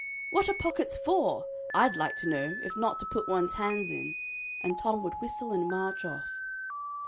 "What are pockets for? I'd like to know, if not to put one's hands in," and Tom would whistle and march off.